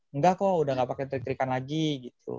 enggak kok udah gak pake trik trikan lagi gitu